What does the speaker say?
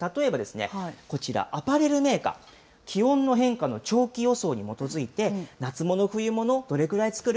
例えばこちら、アパレルメーカー、気温の変化の長期予想に基づいて、夏物、冬物、どれくらい作る？